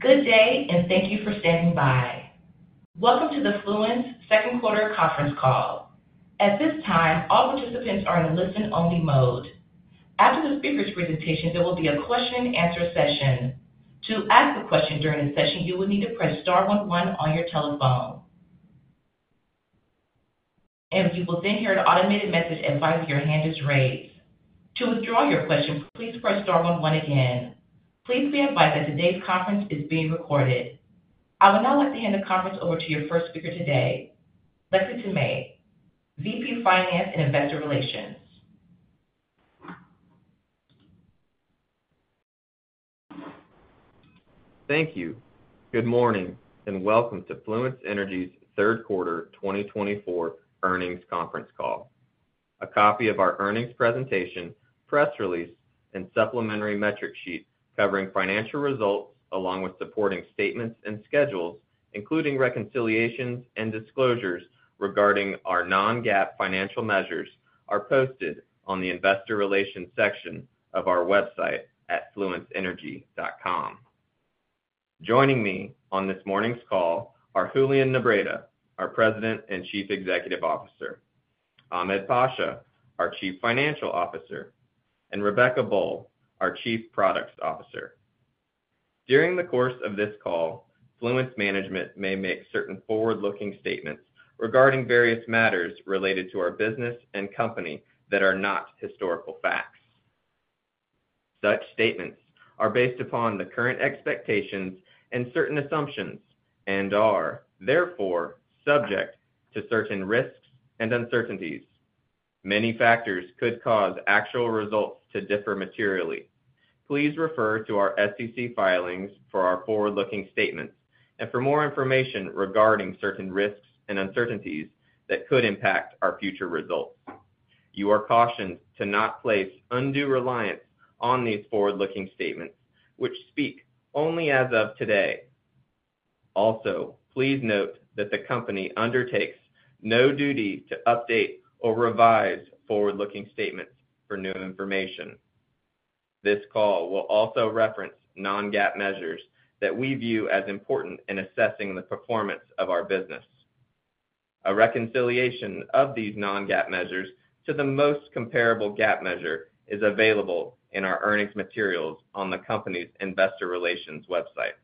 Good day, and thank you for standing by. Welcome to the Fluence second quarter conference call. At this time, all participants are in listen-only mode. After the speakers' presentation, there will be a question-and-answer session. To ask a question during the session, you will need to press star one one on your telephone. And you will then hear an automated message advising your hand is raised. To withdraw your question, please press star one one again. Please be advised that today's conference is being recorded. I would now like to hand the conference over to your first speaker today, Lexington May, VP of Finance and Investor Relations. Thank you. Good morning, and welcome to Fluence Energy's third quarter 2024 earnings conference call. A copy of our earnings presentation, press release, and supplementary metric sheet covering financial results, along with supporting statements and schedules, including reconciliations and disclosures regarding our non-GAAP financial measures, are posted on the investor relations section of our website at fluenceenergy.com. Joining me on this morning's call are Julian Nebreda, our President and Chief Executive Officer, Ahmed Pasha, our Chief Financial Officer, and Rebecca Boll, our Chief Product Officer. During the course of this call, Fluence management may make certain forward-looking statements regarding various matters related to our business and company that are not historical facts. Such statements are based upon the current expectations and certain assumptions and are therefore subject to certain risks and uncertainties. Many factors could cause actual results to differ materially. Please refer to our SEC filings for our forward-looking statements and for more information regarding certain risks and uncertainties that could impact our future results. You are cautioned to not place undue reliance on these forward-looking statements, which speak only as of today. Also, please note that the company undertakes no duty to update or revise forward-looking statements for new information. This call will also reference non-GAAP measures that we view as important in assessing the performance of our business. A reconciliation of these non-GAAP measures to the most comparable GAAP measure is available in our earnings materials on the company's investor relations website.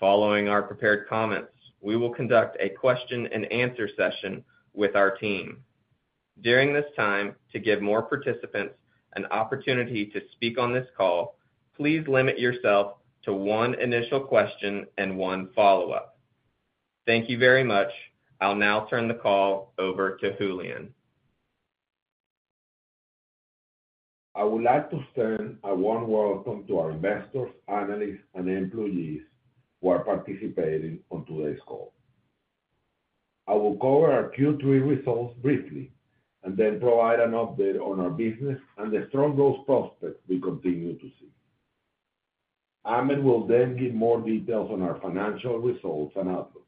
Following our prepared comments, we will conduct a question-and-answer session with our team. During this time, to give more participants an opportunity to speak on this call, please limit yourself to one initial question and one follow-up. Thank you very much. I'll now turn the call over to Julian. I would like to extend a warm welcome to our investors, analysts, and employees who are participating on today's call. I will cover our Q3 results briefly and then provide an update on our business and the strong growth prospects we continue to see. Ahmed will then give more details on our financial results and outlook.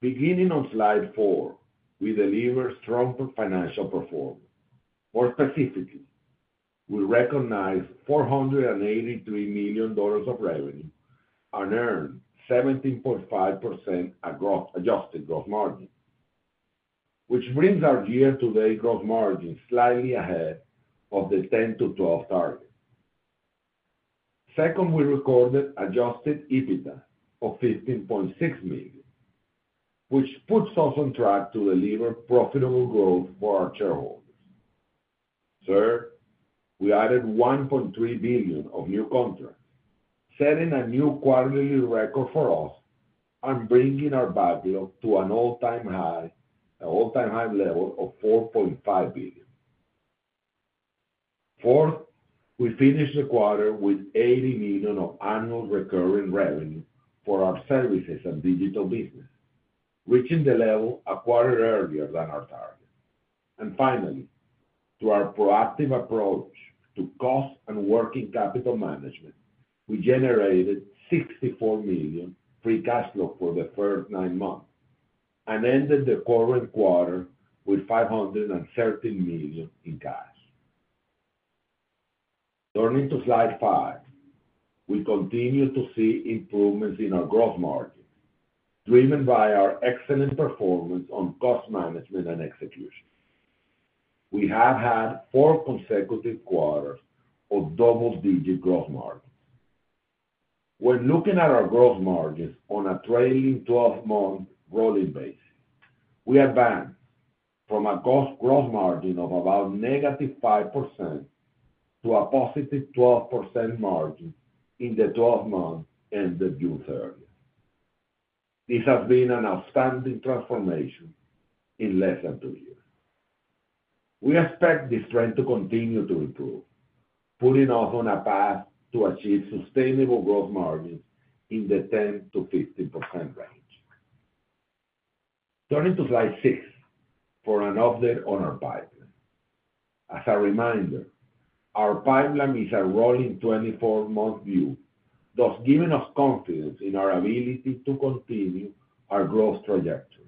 Beginning on slide 4, we delivered strong financial performance. More specifically, we recognized $483 million of revenue and earned 17.5% adjusted gross margin, which brings our year-to-date gross margin slightly ahead of the 10%-12% target. Second, we recorded Adjusted EBITDA of $15.6 million, which puts us on track to deliver profitable growth for our shareholders. Third, we added $1.3 billion of new contracts, setting a new quarterly record for us and bringing our backlog to an all-time high, all-time high level of $4.5 billion. Fourth, we finished the quarter with $80 million of annual recurring revenue for our services and digital business, reaching the level a quarter earlier than our target. And finally, through our proactive approach to cost and working capital management, we generated $64 million free cash flow for the first 9 months and ended the current quarter with $513 million in cash. Turning to slide 5. We continue to see improvements in our gross margin, driven by our excellent performance on cost management and execution. We have had 4 consecutive quarters of double-digit gross margin. When looking at our gross margins on a trailing 12-month rolling basis, we advanced from a gross margin of about -5% to a 12% margin in the 12 months ended June 30. This has been an outstanding transformation in less than two years. We expect this trend to continue to improve, putting us on a path to achieve sustainable gross margins in the 10%-15% range. Turning to slide 6 for an update on our pipeline. As a reminder, our pipeline is a rolling 24-month view, thus giving us confidence in our ability to continue our growth trajectory.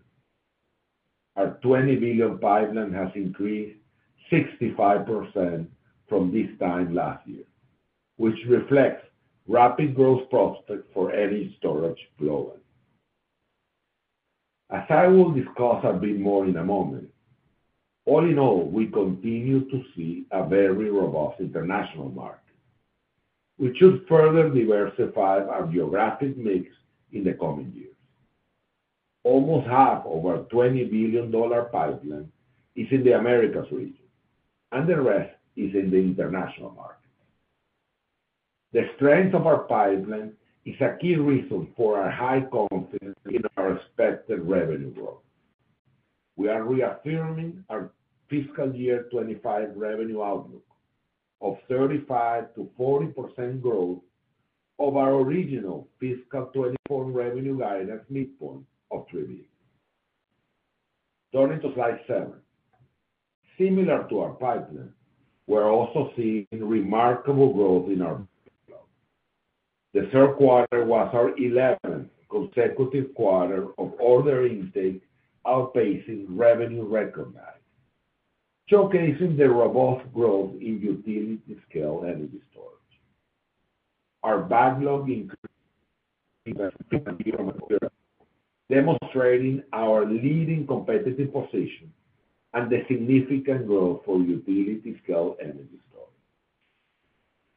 Our $20 billion pipeline has increased 65% from this time last year, which reflects rapid growth prospects for energy storage globally. As I will discuss a bit more in a moment, all in all, we continue to see a very robust international market, which should further diversify our geographic mix in the coming years. Almost half of our $20 billion pipeline is in the Americas region, and the rest is in the international market. The strength of our pipeline is a key reason for our high confidence in our expected revenue growth. We are reaffirming our fiscal year 2025 revenue outlook of 35%-40% growth over our original fiscal 2024 revenue guidance midpoint of $3 billion. Turning to slide 7. Similar to our pipeline, we're also seeing remarkable growth in our backlog. The third quarter was our 11th consecutive quarter of order intake outpacing revenue recognized, showcasing the robust growth in utility-scale energy storage. Our backlog increased demonstrating our leading competitive position and the significant growth for utility-scale energy storage.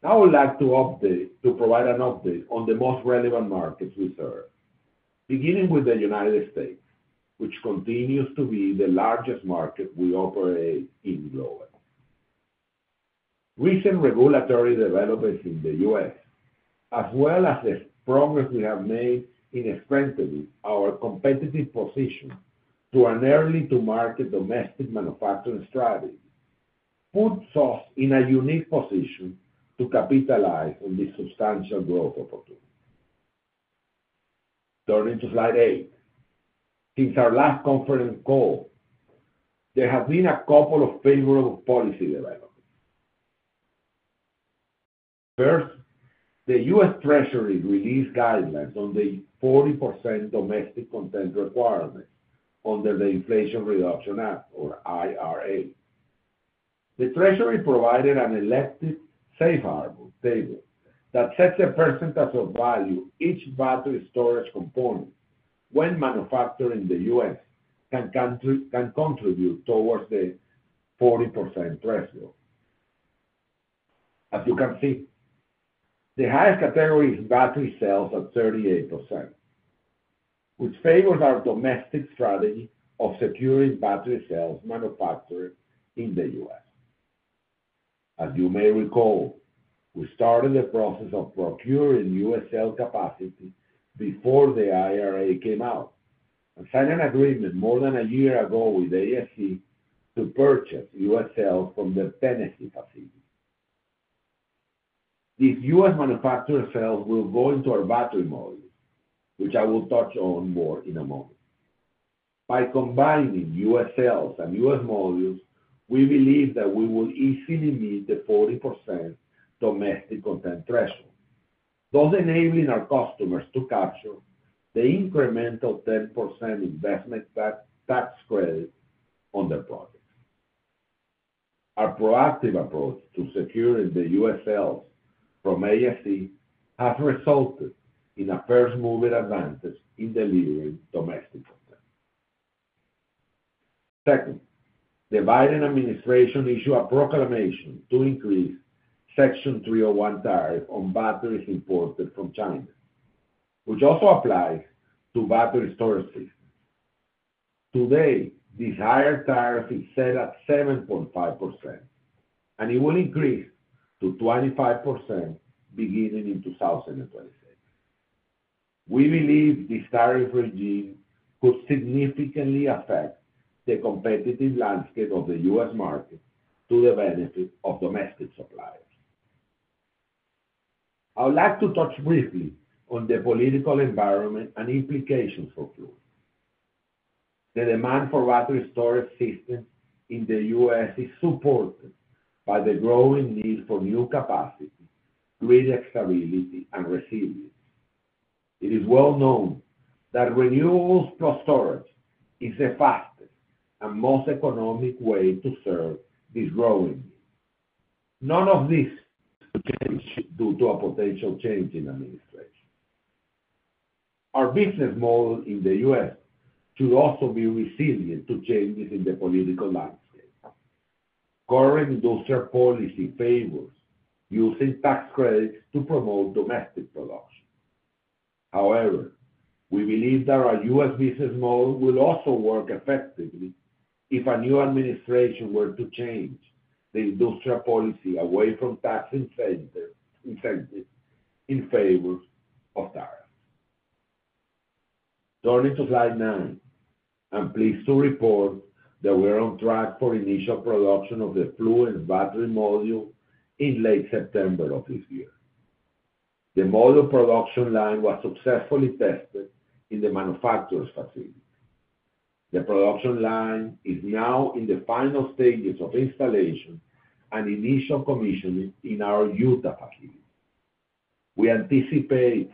Now, I would like to provide an update on the most relevant markets we serve, beginning with the United States, which continues to be the largest market we operate in globally. Recent regulatory developments in the U.S., as well as the progress we have made in strengthening our competitive position to an early-to-market domestic manufacturing strategy, puts us in a unique position to capitalize on this substantial growth opportunity. Turning to slide 8. Since our last conference call, there have been a couple of favorable policy developments. First, the U.S. Treasury released guidelines on the 40% domestic content requirement under the Inflation Reduction Act, or IRA. The Treasury provided an elective safe harbor table that sets a percentage of value each battery storage component, when manufactured in the U.S., can contribute towards the 40% threshold. As you can see, the highest category is battery cells at 38%, which favors our domestic strategy of securing battery cells manufactured in the U.S. As you may recall, we started the process of procuring U.S. cell capacity before the IRA came out, and signed an agreement more than a year ago with AESC to purchase U.S. cells from the Tennessee facility. These U.S. manufactured cells will go into our battery module, which I will touch on more in a moment. By combining U.S. cells and U.S. modules, we believe that we will easily meet the 40% domestic content threshold, thus enabling our customers to capture the incremental 10% investment tax credit on their projects. Our proactive approach to securing the U.S. cells from AESC has resulted in a first-mover advantage in delivering domestic content. Second, the Biden administration issued a proclamation to increase Section 301 tariff on batteries imported from China, which also applies to battery storage systems. Today, this higher tariff is set at 7.5%, and it will increase to 25% beginning in 2026. We believe this tariff regime could significantly affect the competitive landscape of the U.S. market to the benefit of domestic suppliers. I would like to touch briefly on the political environment and implications for Fluence. The demand for battery storage systems in the U.S. is supported by the growing need for new capacity, grid stability, and resilience. It is well known that renewables plus storage is the fastest and most economic way to serve this growing need. None of this should change due to a potential change in administration. Our business model in the U.S. should also be resilient to changes in the political landscape. Current industrial policy favors using tax credits to promote domestic production. However, we believe that our U.S. business model will also work effectively if a new administration were to change the industrial policy away from tax incentives, incentives in favor of tariffs. Turning to slide nine, I'm pleased to report that we're on track for initial production of the Fluence Battery Module in late September of this year. The module production line was successfully tested in the manufacturer's facility. The production line is now in the final stages of installation and initial commissioning in our Utah facility. We anticipate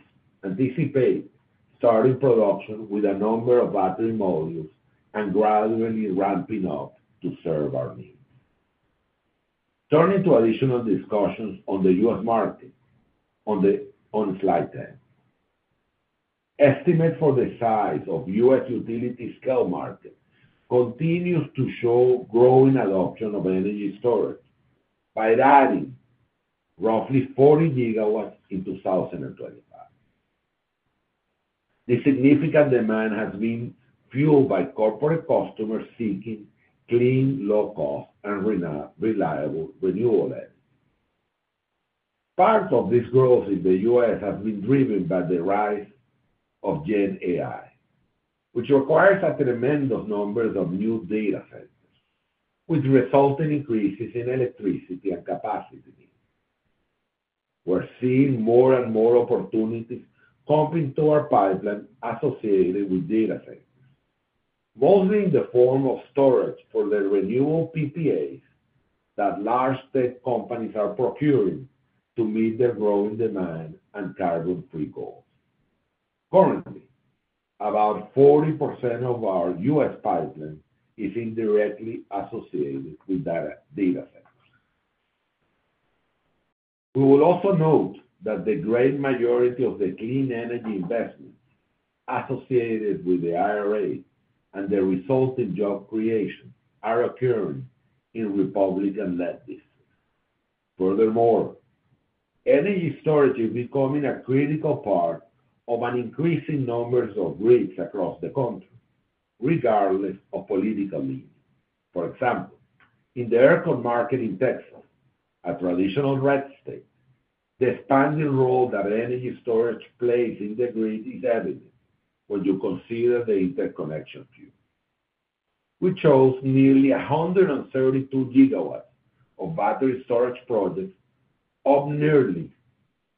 starting production with a number of battery modules and gradually ramping up to serve our needs. Turning to additional discussions on the U.S. market, on slide 10. Estimate for the size of U.S. utility-scale market continues to show growing adoption of energy storage by adding roughly 40 gigawatts in 2025. The significant demand has been fueled by corporate customers seeking clean, low-cost, and reliable renewable energy. Part of this growth in the U.S. has been driven by the rise of GenAI, which requires a tremendous numbers of new data centers, with resulting increases in electricity and capacity needs. We're seeing more and more opportunities pumping to our pipeline associated with data centers, mostly in the form of storage for the renewable PPAs that large tech companies are procuring to meet their growing demand and carbon-free goals. Currently, about 40% of our US pipeline is indirectly associated with data, data centers. We will also note that the great majority of the clean energy investments associated with the IRA and the resulting job creation are occurring in Republican-led districts. Furthermore, energy storage is becoming a critical part of an increasing numbers of grids across the country, regardless of political need. For example, in the ERCOT market in Texas, a traditional red state, the expanding role that energy storage plays in the grid is evident when you consider the interconnection queue, which shows nearly 132 gigawatts of battery storage projects, up nearly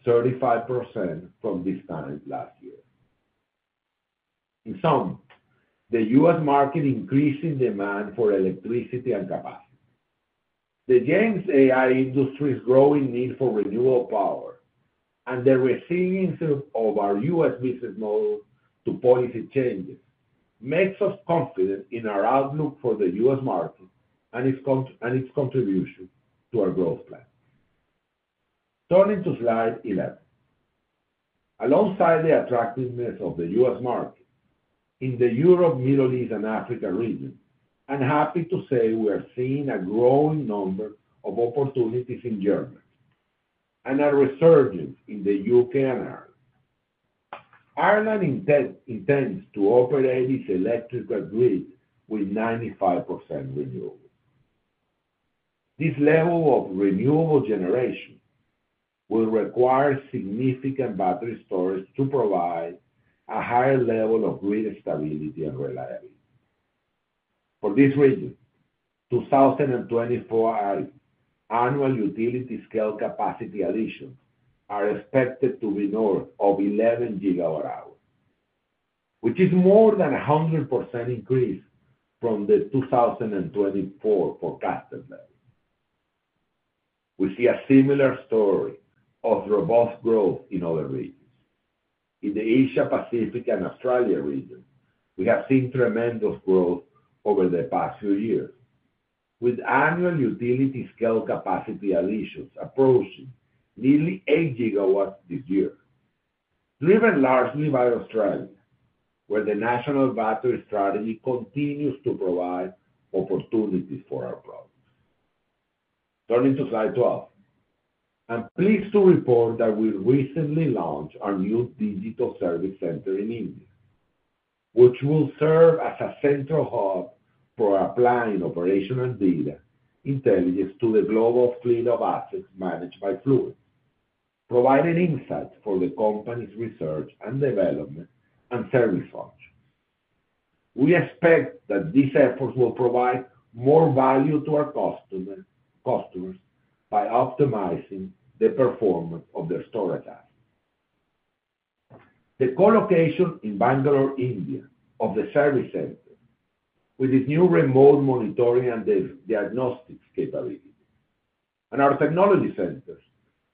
35% from this time last year. In sum, the US market increasing demand for electricity and capacity. The GenAI industry's growing need for renewable power and the resilience of our US business model to policy changes, makes us confident in our outlook for the US market and its and its contribution to our growth plan. Turning to slide 11. Alongside the attractiveness of the US market, in the Europe, Middle East, and Africa region, I'm happy to say we are seeing a growing number of opportunities in Germany, and a resurgence in the UK and Ireland. Ireland intends to operate its electrical grid with 95% renewable. This level of renewable generation will require significant battery storage to provide a higher level of grid stability and reliability. For this reason, 2024, our annual utility-scale capacity additions are expected to be north of 11 GWh, which is more than 100% increase from the 2024 forecasted level. We see a similar story of robust growth in other regions. In the Asia, Pacific, and Australia region, we have seen tremendous growth over the past few years, with annual utility-scale capacity additions approaching nearly 8 GW this year, driven largely by Australia, where the National Battery Strategy continues to provide opportunities for our products. Turning to slide 12. I'm pleased to report that we recently launched our new digital service center in India, which will serve as a central hub for applying operational data intelligence to the global fleet of assets managed by Fluence, providing insights for the company's research and development and service functions. We expect that these efforts will provide more value to our customers by optimizing the performance of their storage assets. The co-location in Bangalore, India, of the service center with its new remote monitoring and diagnostics capability, and our technology centers,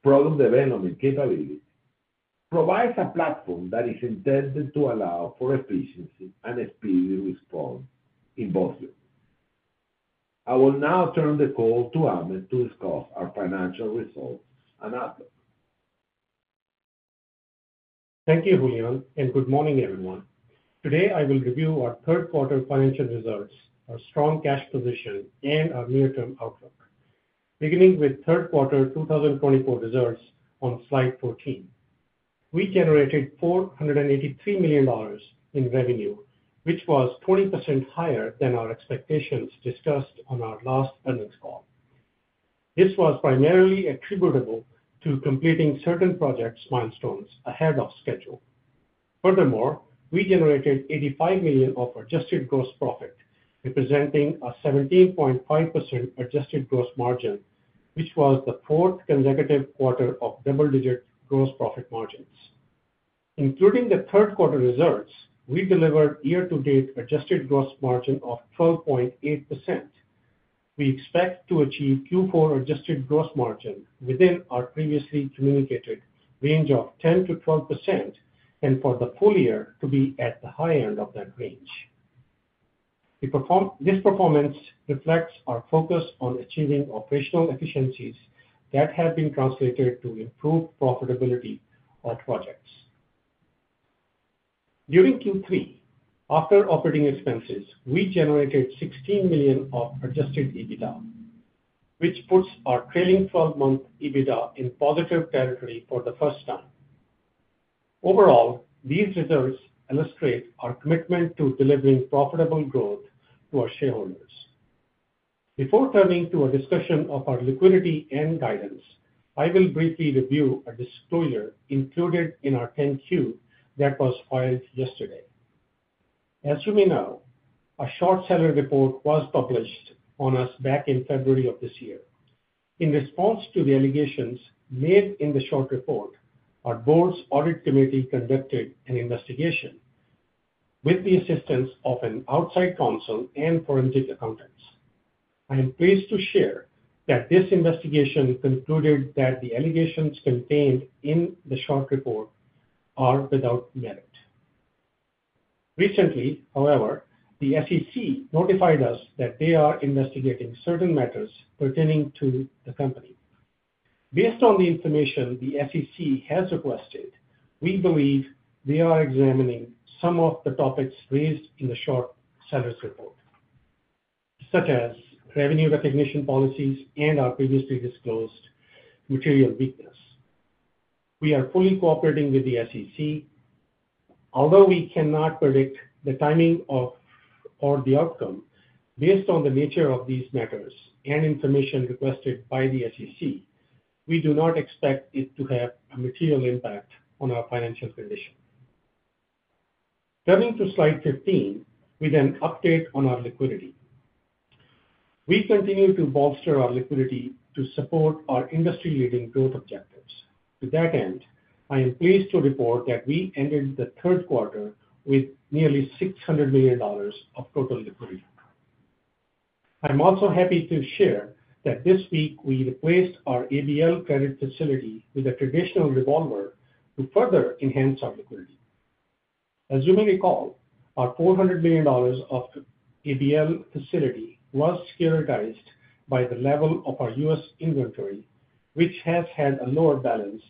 product development capability, provides a platform that is intended to allow for efficiency and speedy response in both areas. I will now turn the call toAhmed to discuss our financial results and outlook. Thank you, Julian, and good morning, everyone. Today, I will review our third quarter financial results, our strong cash position, and our near-term outlook. Beginning with third quarter 2024 results on slide 14. We generated $483 million in revenue, which was 20% higher than our expectations discussed on our last earnings call. This was primarily attributable to completing certain projects milestones ahead of schedule. Furthermore, we generated $85 million of adjusted gross profit, representing a 17.5% adjusted gross margin, which was the fourth consecutive quarter of double-digit gross profit margins, including the third quarter results, we delivered year-to-date adjusted gross margin of 12.8%. We expect to achieve Q4 adjusted gross margin within our previously communicated range of 10%-12%, and for the full year to be at the high end of that range. This performance reflects our focus on achieving operational efficiencies that have been translated to improved profitability on projects. During Q3, after operating expenses, we generated $16 million of adjusted EBITDA, which puts our trailing twelve-month EBITDA in positive territory for the first time. Overall, these results illustrate our commitment to delivering profitable growth to our shareholders. Before turning to a discussion of our liquidity and guidance, I will briefly review a disclosure included in our 10-Q that was filed yesterday. As you may know, a short seller report was published on us back in February of this year. In response to the allegations made in the short report, our board's audit committee conducted an investigation with the assistance of an outside counsel and forensic accountants. I am pleased to share that this investigation concluded that the allegations contained in the short report are without merit. Recently, however, the SEC notified us that they are investigating certain matters pertaining to the company. Based on the information the SEC has requested, we believe they are examining some of the topics raised in the short seller report, such as revenue recognition policies and our previously disclosed material weakness. We are fully cooperating with the SEC. Although we cannot predict the timing of or the outcome, based on the nature of these matters and information requested by the SEC, we do not expect it to have a material impact on our financial position. Turning to slide 15, with an update on our liquidity. We continue to bolster our liquidity to support our industry-leading growth objectives. To that end, I am pleased to report that we ended the third quarter with nearly $600 million of total liquidity. I'm also happy to share that this week we replaced our ABL credit facility with a traditional revolver to further enhance our liquidity. As you may recall, our $400 million of ABL facility was securitized by the level of our U.S. inventory, which has had a lower balance,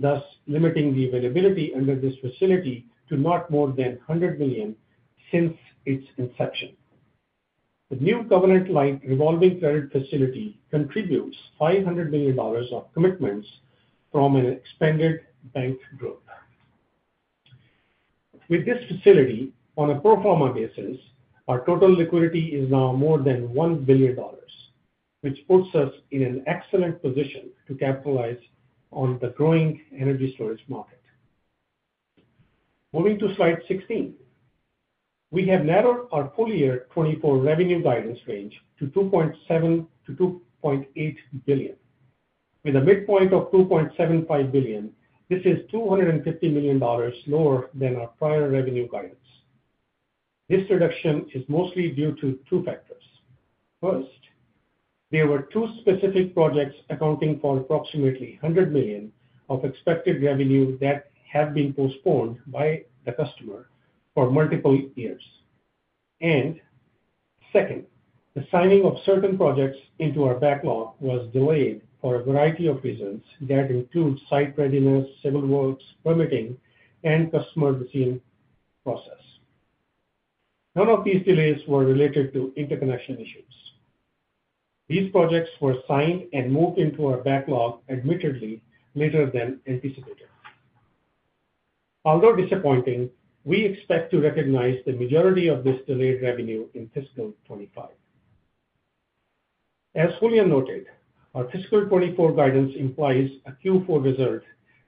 thus limiting the availability under this facility to not more than $100 million since its inception. The new covenant-like revolving credit facility contributes $500 million of commitments from an expanded bank group. With this facility, on a pro forma basis, our total liquidity is now more than $1 billion, which puts us in an excellent position to capitalize on the growing energy storage market. Moving to slide 16. We have narrowed our full year 2024 revenue guidance range to $2.7 billion-$2.8 billion. With a midpoint of $2.75 billion, this is $250 million lower than our prior revenue guidance. This reduction is mostly due to two factors. First, there were two specific projects accounting for approximately $100 million of expected revenue that have been postponed by the customer for multiple years. And second, the signing of certain projects into our backlog was delayed for a variety of reasons that include site readiness, civil works, permitting, and customer review process. None of these delays were related to interconnection issues. These projects were signed and moved into our backlog, admittedly, later than anticipated. Although disappointing, we expect to recognize the majority of this delayed revenue in fiscal 2025. As Julian noted, our fiscal 2024 guidance implies a Q4 result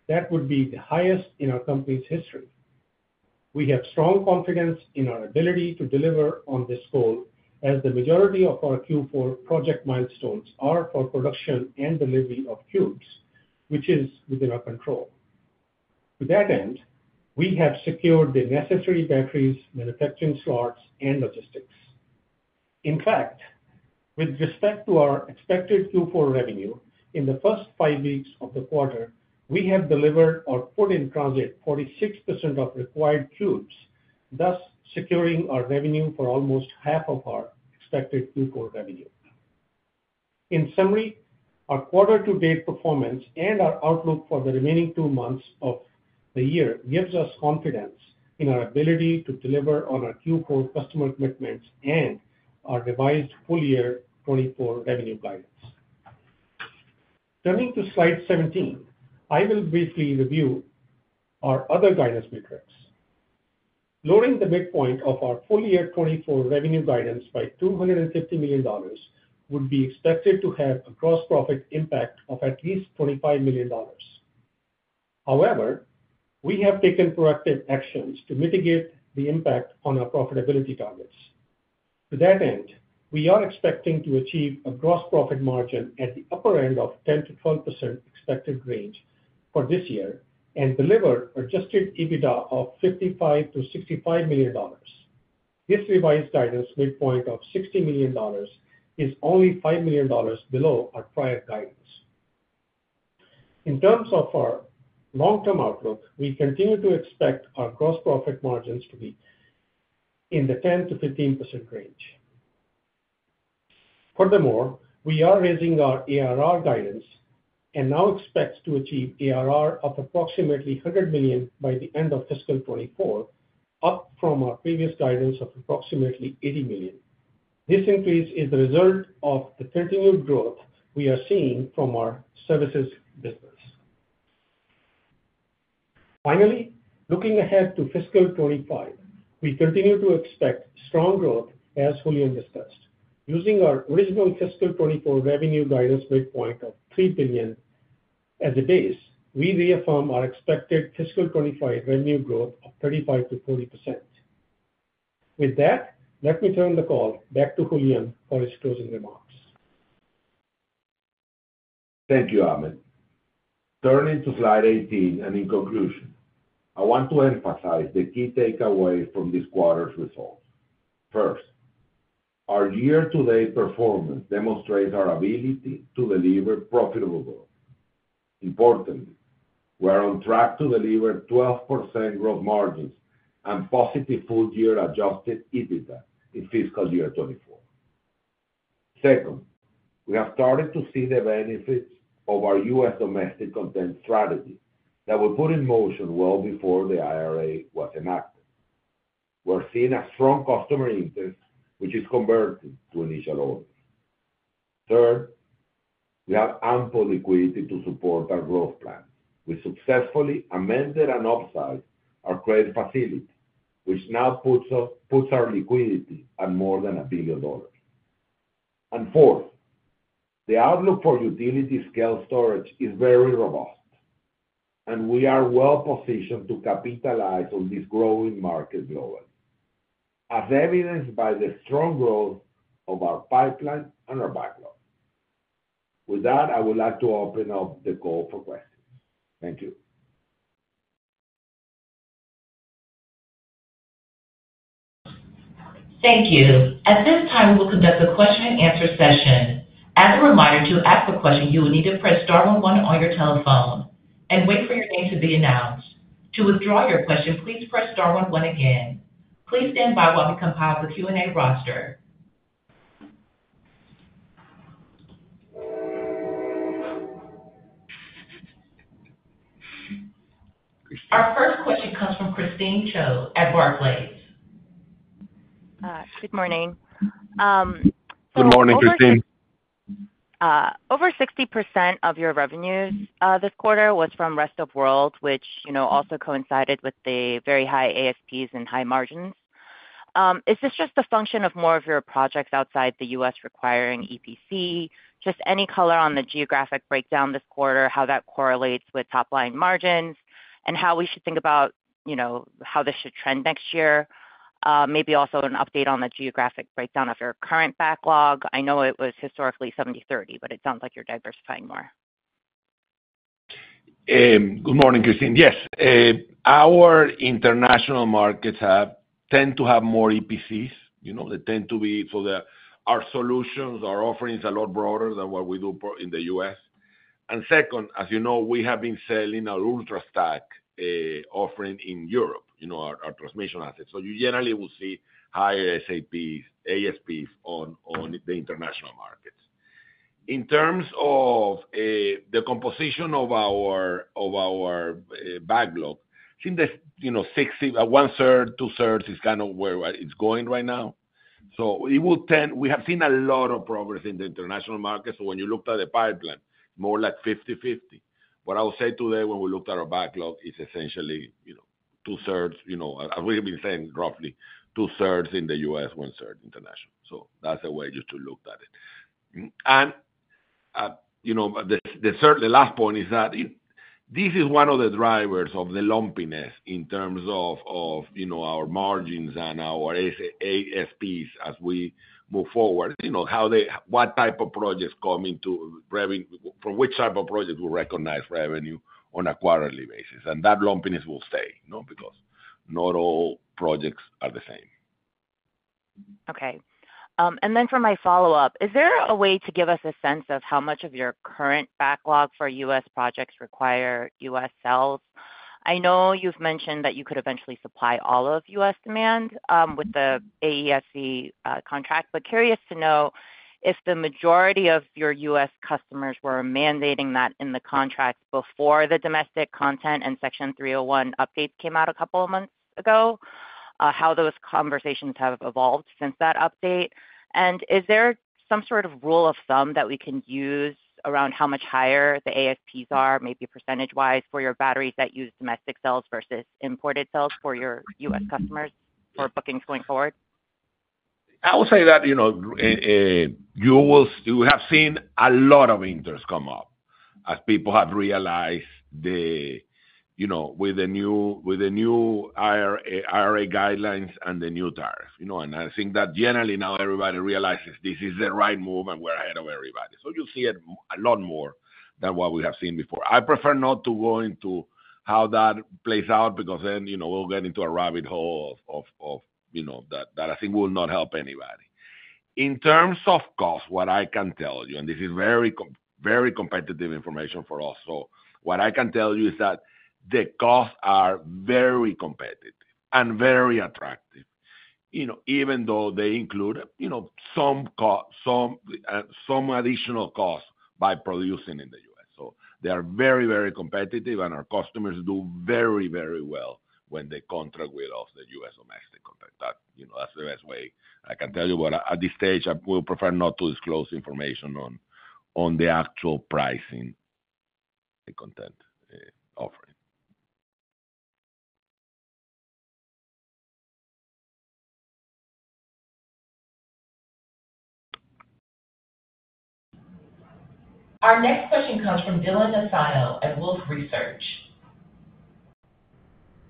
that would be the highest in our company's history. We have strong confidence in our ability to deliver on this goal, as the majority of our Q4 project milestones are for production and delivery of cubes, which is within our control. To that end, we have secured the necessary batteries, manufacturing slots, and logistics. In fact, with respect to our expected Q4 revenue, in the first 5 weeks of the quarter, we have delivered or put in transit 46% of required cubes, thus securing our revenue for almost half of our expected Q4 revenue. In summary, our quarter-to-date performance and our outlook for the remaining 2 months of the year gives us confidence in our ability to deliver on our Q4 customer commitments and our revised full year 2024 revenue guidance. Turning to slide 17, I will briefly review our other guidance metrics. Lowering the midpoint of our full year 2024 revenue guidance by $250 million would be expected to have a gross profit impact of at least $25 million. However, we have taken proactive actions to mitigate the impact on our profitability targets. To that end, we are expecting to achieve a gross profit margin at the upper end of 10%-12% expected range for this year, and deliver Adjusted EBITDA of $55 million-$65 million. This revised guidance midpoint of $60 million is only $5 million below our prior guidance. In terms of our long-term outlook, we continue to expect our gross profit margins to be in the 10%-15% range. Furthermore, we are raising our ARR guidance, and now expect to achieve ARR of approximately $100 million by the end of fiscal 2024, up from our previous guidance of approximately $80 million. This increase is the result of the continued growth we are seeing from our services business. Finally, looking ahead to fiscal 2025, we continue to expect strong growth, as Julian discussed. Using our original fiscal 2024 revenue guidance midpoint of $3 billion as a base, we reaffirm our expected fiscal 2025 revenue growth of 35%-40%. With that, let me turn the call back to Julian for his closing remarks. Thank you, Amit. Turning to slide 18, in conclusion, I want to emphasize the key takeaway from this quarter's results. First, our year-to-date performance demonstrates our ability to deliver profitable growth. Importantly, we are on track to deliver 12% growth margins and positive full year adjusted EBITDA in fiscal year 2024. Second, we have started to see the benefits of our U.S. domestic content strategy that we put in motion well before the IRA was enacted. We're seeing a strong customer interest, which is converted to initial orders. Third, we have ample liquidity to support our growth plan. We successfully amended and upsized our credit facility, which now puts our liquidity at more than $1 billion. And fourth, the outlook for utility scale storage is very robust, and we are well positioned to capitalize on this growing market globally, as evidenced by the strong growth of our pipeline and our backlog. With that, I would like to open up the call for questions. Thank you. Thank you. At this time, we will conduct a question and answer session. As a reminder, to ask a question, you will need to press star one one on your telephone and wait for your name to be announced. To withdraw your question, please press star one one again. Please stand by while we compile the Q&A roster. Our first question comes from Christine Cho at Barclays. Good morning. So- Good morning, Christine. Over 60% of your revenues this quarter was from rest of world, which, you know, also coincided with the very high ASPs and high margins. Is this just a function of more of your projects outside the US requiring EPC? Just any color on the geographic breakdown this quarter, how that correlates with top-line margins, and how we should think about, you know, how this should trend next year? Maybe also an update on the geographic breakdown of your current backlog. I know it was historically 70/30, but it sounds like you're diversifying more. Good morning, Christine. Yes, our international markets tend to have more EPCs. You know, they tend to be so that our solutions, our offerings, are a lot broader than what we do in the US. And second, as you know, we have been selling our UltraStack offering in Europe, you know, our transmission assets. So you generally will see higher ASPs on the international markets. In terms of the composition of our backlog, I think the, you know, 60, one-third, two-thirds is kind of where it's going right now. So it will tend. We have seen a lot of progress in the international market. So when you looked at the pipeline, more like 50/50. What I will say today, when we looked at our backlog, is essentially, you know, two-thirds, you know, as we have been saying, roughly two-thirds in the U.S., one-third international. So that's a way just to look at it. And, you know, the third, the last point is that this is one of the drivers of the lumpiness in terms of, you know, our margins and our ASPs as we move forward. You know, how what type of projects come into revenue, from which type of projects we recognize revenue on a quarterly basis. And that lumpiness will stay, you know, because not all projects are the same. Okay. And then for my follow-up, is there a way to give us a sense of how much of your current backlog for U.S. projects require U.S. cells? I know you've mentioned that you could eventually supply all of U.S. demand, with the AESC, contract, but curious to know if the majority of your U.S. customers were mandating that in the contract before the domestic content and Section 301 updates came out a couple of months ago? How those conversations have evolved since that update. And is there some sort of rule of thumb that we can use around how much higher the ASPs are, maybe percentage-wise, for your batteries that use domestic cells versus imported cells for your U.S. customers for bookings going forward? I would say that, you know, you have seen a lot of interest come up as people have realized the, you know, with the new IRA guidelines and the new tariff, you know. And I think that generally now everybody realizes this is the right move, and we're ahead of everybody. So you'll see it a lot more than what we have seen before. I prefer not to go into how that plays out because then, you know, we'll get into a rabbit hole of, you know, that I think will not help anybody. In terms of cost, what I can tell you, and this is very competitive information for us, so what I can tell you is that the costs are very competitive and very attractive, you know, even though they include, you know, some additional costs by producing in the US. So they are very, very competitive, and our customers do very, very well when they contract with us, the US or Mexico contract. That, you know, that's the best way I can tell you. But at this stage, I will prefer not to disclose information on the actual pricing, the content offering. Our next question comes from Dylan Nassano at Wolfe Research.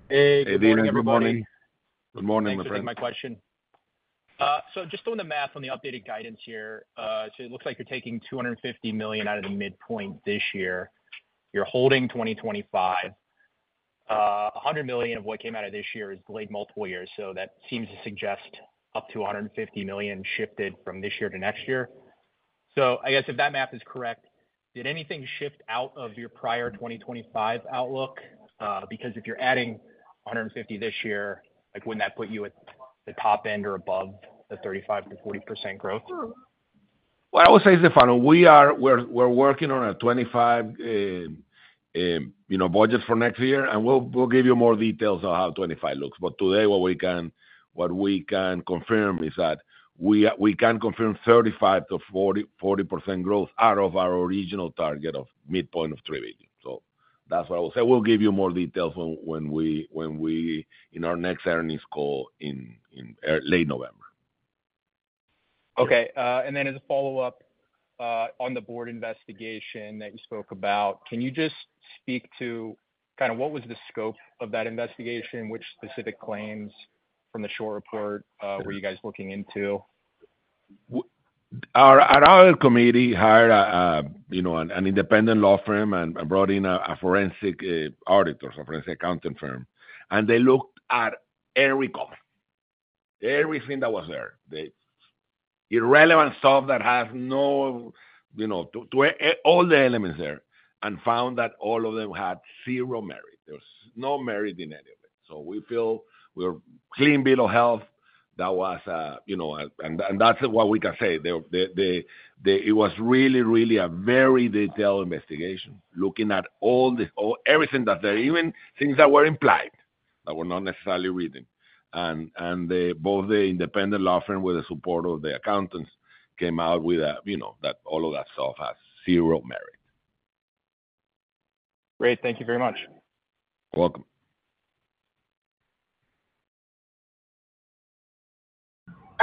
Hey, good morning, everybody. Hey, Dylan. Good morning. Good morning, my friend. Thanks for taking my question. So just doing the math on the updated guidance here, so it looks like you're taking $250 million out of the midpoint this year. You're holding 2025. A hundred million of what came out of this year is delayed multiple years, so that seems to suggest up to $150 million shifted from this year to next year. So I guess if that math is correct, did anything shift out of your prior 2025 outlook? Because if you're adding $150 this year, like, wouldn't that put you at the top end or above the 35%-40% growth? What I will say is the following: we're working on a 25, you know, budget for next year, and we'll give you more details on how 25 looks. But today, what we can confirm is that we can confirm 35%-40% growth out of our original target of midpoint of $3 billion. So that's what I will say. We'll give you more details when in our next earnings call in late November. Okay. And then as a follow-up, on the board investigation that you spoke about, can you just speak to kind of what was the scope of that investigation? Which specific claims from the short report were you guys looking into? Our committee hired, you know, an independent law firm and brought in a forensic auditors, a forensic accounting firm, and they looked at every cost, everything that was there. The irrelevant stuff that has no, you know, to all the elements there, and found that all of them had zero merit. There's no merit in any of it. So we feel we're clean bill of health. That was, you know, and that's what we can say. It was really, really a very detailed investigation, looking at all the, all—everything that there, even things that were implied, that were not necessarily written. And both the independent law firm with the support of the accountants came out with, you know, that all of that stuff has zero merit. Great. Thank you very much. Welcome.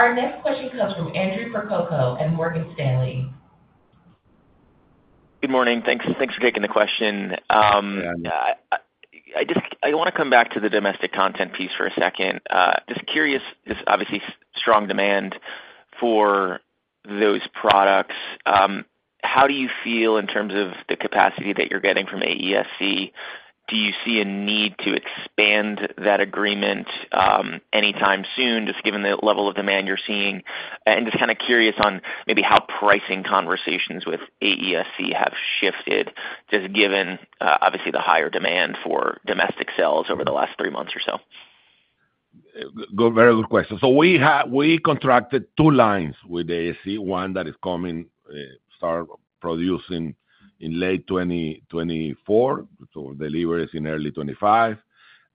Our next question comes from Andrew Percoco at Morgan Stanley. Good morning. Thanks for taking the question. I just wanna come back to the domestic content piece for a second. Just curious, there's obviously strong demand for those products. How do you feel in terms of the capacity that you're getting from AESC? Do you see a need to expand that agreement, anytime soon, just given the level of demand you're seeing? And just kinda curious on maybe how pricing conversations with AESC have shifted, just given, obviously the higher demand for domestic sales over the last three months or so. Very good question. So we contracted two lines with the AESC, one that is coming start producing in late 2024, so delivery is in early 2025,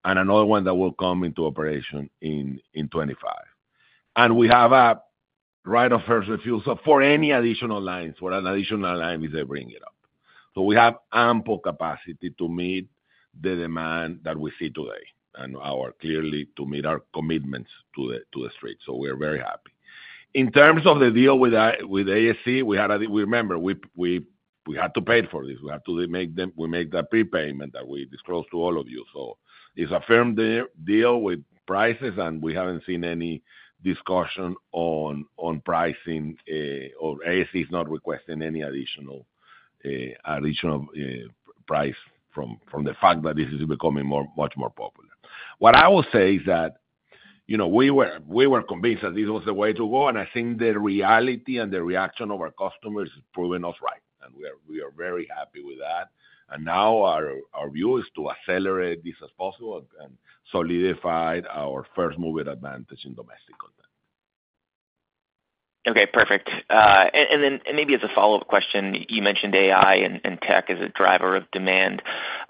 and another one that will come into operation in 2025. And we have a right of first refusal for any additional lines, for an additional line, if they bring it up. So we have ample capacity to meet the demand that we see today and, clearly, to meet our commitments to the street. So we're very happy. In terms of the deal with AESC, we had a... Remember, we had to pay for this. We have to make. We make the prepayment that we disclosed to all of you. So it's a firm deal with prices, and we haven't seen any discussion on pricing, or AESC is not requesting any additional price from the fact that this is becoming much more popular. What I will say is that, you know, we were convinced that this was the way to go, and I think the reality and the reaction of our customers has proven us right, and we are very happy with that. And now our view is to accelerate this as possible and solidify our first-mover advantage in domestic content. Okay, perfect. And then, maybe as a follow-up question, you mentioned AI and tech as a driver of demand.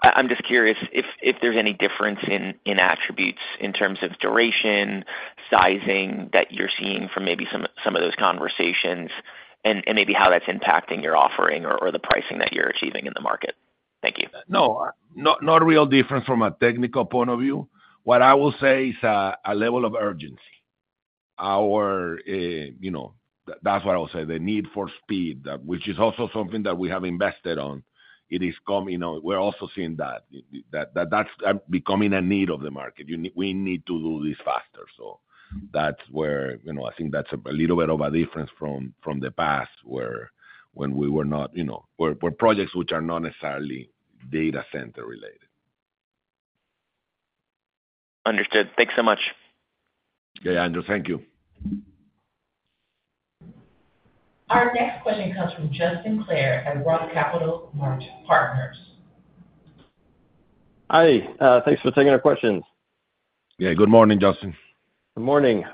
I'm just curious if there's any difference in attributes in terms of duration, sizing, that you're seeing from maybe some of those conversations, and maybe how that's impacting your offering or the pricing that you're achieving in the market. Thank you. No, not a real difference from a technical point of view. What I will say is, a level of urgency, our, you know, that's what I will say, the need for speed, that which is also something that we have invested on. It is come, you know, we're also seeing that, that's, becoming a need of the market. You need—we need to do this faster. So that's where, you know, I think that's a little bit of a difference from the past, where, when we were not, you know, where projects which are not necessarily data center related. Understood. Thanks so much. Yeah, Andrew, thank you. Our next question comes from Justin Clare at Roth Capital Partners. Hi, thanks for taking our questions. Yeah. Good morning, Justin. Good morning.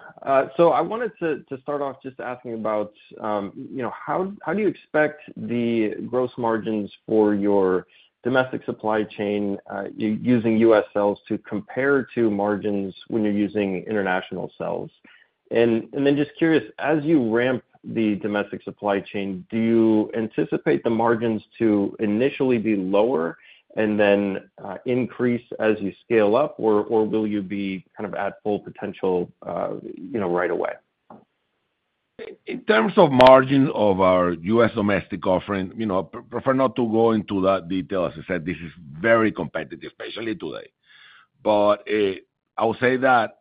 So I wanted to, to start off just asking about, you know, how, how do you expect the gross margins for your domestic supply chain, using US cells to compare to margins when you're using international cells? And, and then just curious, as you ramp the domestic supply chain, do you anticipate the margins to initially be lower and then, increase as you scale up? Or, or will you be kind of at full potential, you know, right away? In terms of margin of our US domestic offering, you know, prefer not to go into that detail. As I said, this is very competitive, especially today. But I would say that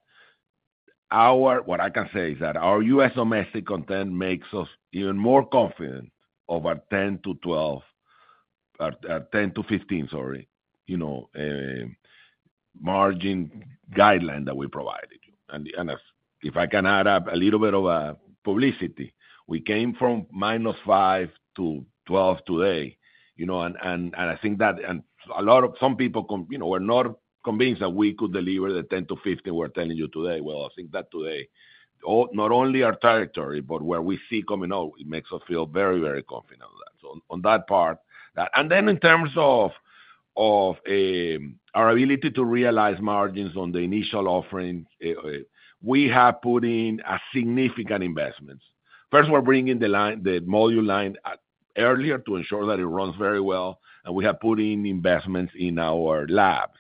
our, what I can say is that our US domestic content makes us even more confident over 10-12, 10-15, sorry, you know, margin guideline that we provided you. And if I can add up a little bit of publicity, we came from -5 to 12 today, you know, and I think that a lot of some people, you know, were not convinced that we could deliver the 10-15 we're telling you today. Well, I think that today, not only our territory, but where we see coming out, it makes us feel very, very confident on that. So on that part. And then in terms of our ability to realize margins on the initial offering, we have put in a significant investments. First, we're bringing the module line earlier to ensure that it runs very well, and we have put in investments in our labs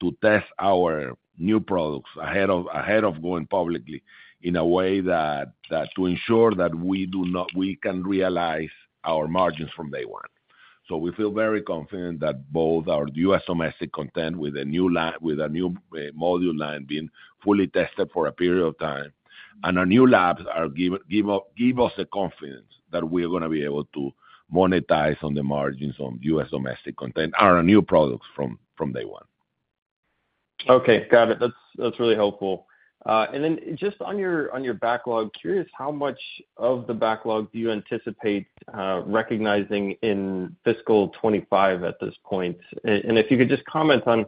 to test our new products ahead of going publicly in a way that to ensure that we can realize our margins from day one. So we feel very confident that both our U.S. domestic content, with a new module line being fully tested for a period of time, and our new labs give us the confidence that we're gonna be able to monetize on the margins on U.S. domestic content, and our new products from day one. Okay, got it. That's, that's really helpful. And then just on your, on your backlog, curious, how much of the backlog do you anticipate recognizing in fiscal 2025 at this point? And if you could just comment on,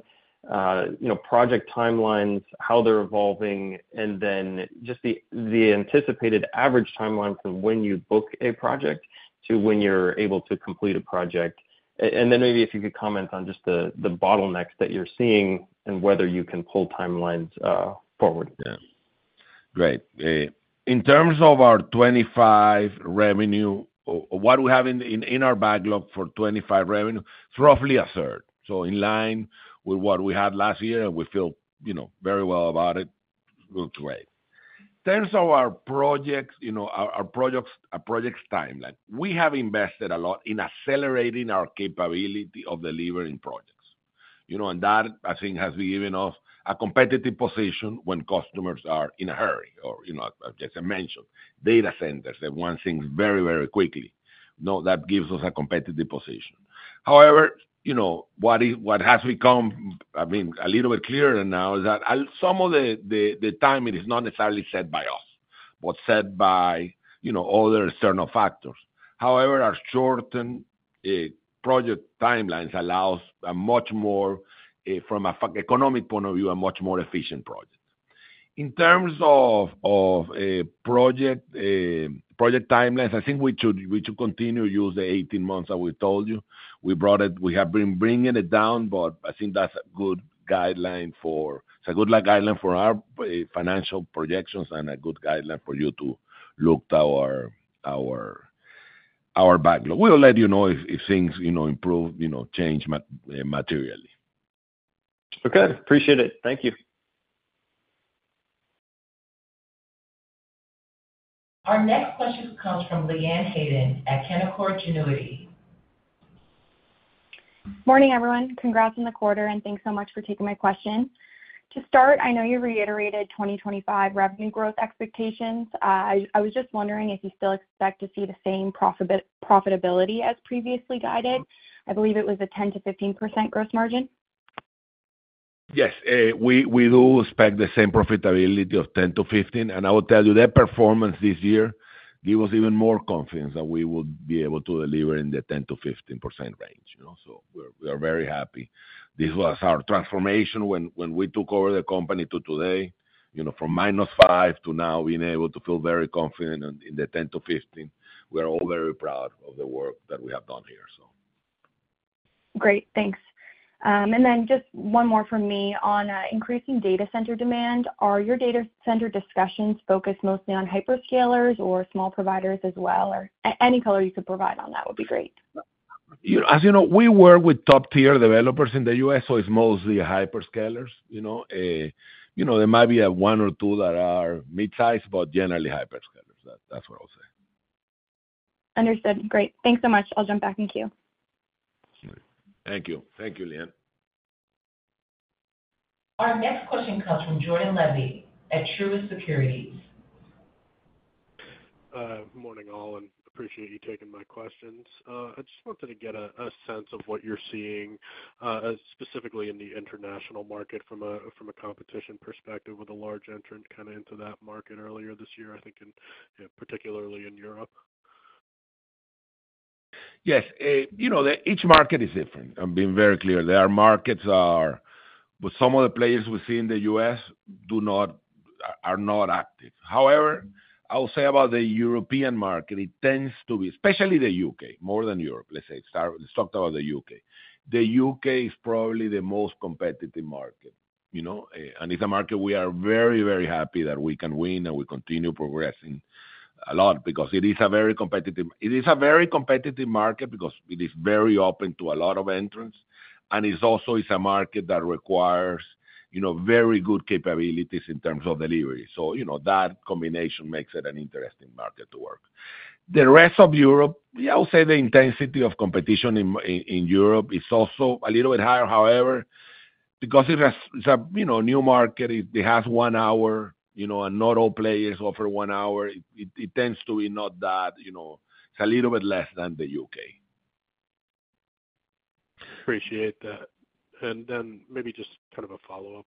you know, project timelines, how they're evolving, and then just the anticipated average timeline from when you book a project to when you're able to complete a project. And then maybe if you could comment on just the bottlenecks that you're seeing and whether you can pull timelines forward. Yeah. Great. In terms of our 2025 revenue, or what we have in our backlog for 2025 revenue, it's roughly a third. So in line with what we had last year, and we feel, you know, very well about it, looks great. In terms of our projects, you know, our projects timeline. We have invested a lot in accelerating our capability of delivering projects, you know, and that, I think, has given us a competitive position when customers are in a hurry or, you know, as I mentioned, data centers, they want things very, very quickly. Now, that gives us a competitive position. However, you know, what has become, I mean, a little bit clearer now is that at some of the, the timing is not necessarily set by us, but set by, you know, other external factors. However, our shortened project timelines allow us a much more, from an economic point of view, a much more efficient project. In terms of a project timelines, I think we should continue to use the 18 months that we told you. We have been bringing it down, but I think that's a good guideline. It's a good guideline for our financial projections and a good guideline for you to look to our backlog. We'll let you know if things you know, improve, you know, change materially. Okay, appreciate it. Thank you. Our next question comes from Uncertain at Canaccord Genuity. Morning, everyone. Congrats on the quarter, and thanks so much for taking my question. To start, I know you reiterated 2025 revenue growth expectations. I was just wondering if you still expect to see the same profitability as previously guided? I believe it was a 10%-15% gross margin. Yes, we do expect the same profitability of 10-15, and I will tell you, that performance this year give us even more confidence that we would be able to deliver in the 10%-15% range, you know, so we are very happy. This was our transformation when we took over the company to today, you know, from -5 to now being able to feel very confident in the 10-15. We are all very proud of the work that we have done here, so... Great, thanks. And then just one more from me. On increasing data center demand, are your data center discussions focused mostly on hyperscalers or small providers as well? Or any color you could provide on that would be great.... You, as you know, we work with top-tier developers in the US, so it's mostly hyperscalers, you know. You know, there might be a one or two that are mid-size, but generally hyperscalers. That, that's what I'll say. Understood. Great. Thanks so much. I'll jump back in queue. Thank you. Thank you, Leanne. Our next question comes from Jordan Levy at Truist Securities. Morning, all, and appreciate you taking my questions. I just wanted to get a sense of what you're seeing, specifically in the international market from a competition perspective, with a large entrant kind of into that market earlier this year, I think, particularly in Europe. Yes. You know, each market is different. I'm being very clear. There are markets with some of the players we see in the US are not active. However, I will say about the European market, it tends to be, especially the UK, more than Europe, let's say. Let's talk about the UK. The UK is probably the most competitive market, you know, and it's a market we are very, very happy that we can win, and we continue progressing a lot because it is a very competitive market because it is very open to a lot of entrants, and it's also a market that requires, you know, very good capabilities in terms of delivery. So you know, that combination makes it an interesting market to work. The rest of Europe, yeah, I would say the intensity of competition in Europe is also a little bit higher. However, because it has, it's a, you know, new market, it has one hour, you know, and not all players offer one hour. It tends to be not that, you know, it's a little bit less than the UK. Appreciate that. And then maybe just kind of a follow-up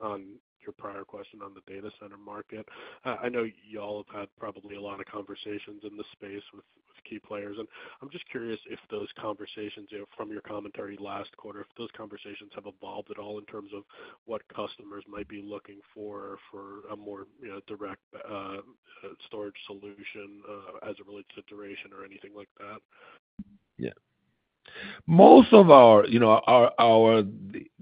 on your prior question on the data center market. I know y'all have had probably a lot of conversations in this space with, with key players, and I'm just curious if those conversations, you know, from your commentary last quarter, if those conversations have evolved at all in terms of what customers might be looking for, for a more, you know, direct storage solution as it relates to duration or anything like that? Yeah. Most of our, you know, our